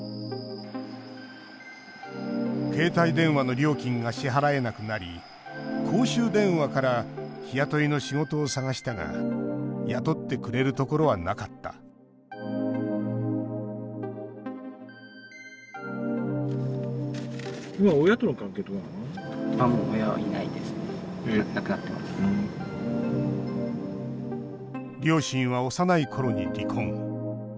携帯電話の料金が支払えなくなり公衆電話から日雇いの仕事を探したが雇ってくれるところはなかった両親は幼いころに離婚。